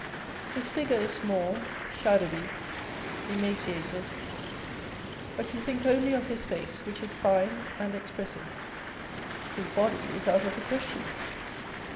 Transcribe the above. His figure is small, shadowy, emaciated ; but you think only of his face, which is fine and expressive. His body is out of the question.